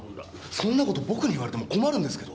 そんなこと僕に言われても困るんですけど。